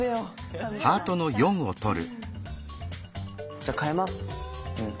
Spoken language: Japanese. じゃあ換えます！